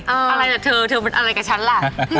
อะไรล่ะเธอเธอเป็นอะไรกับฉันล่ะ